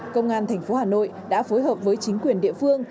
công an thành phố hà nội đã phối hợp với chính quyền địa phương